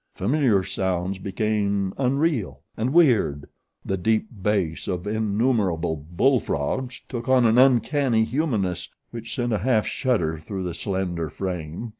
Familiar sounds became unreal and weird, the deep bass of innumerable bull frogs took on an uncanny humanness which sent a half shudder through the slender frame.